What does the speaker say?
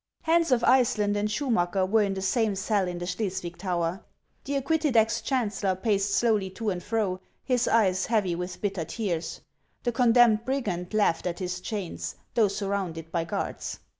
HANS of Iceland and Schumacker were in the same cell in the Schleswig tower. The acquitted ex chancellor paced slowly to and fro, his eyes heavy with bitter tears ; the condemned brigand laughed at his chains, though surrounded by guards.